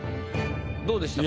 どうでしたか？